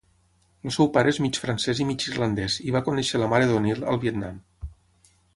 El seu pare és mig francès i mig irlandès i va conèixer la mare de O'Neil al Vietnam.